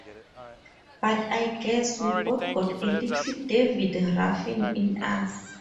But I guess we both got a little David Ruffin in us.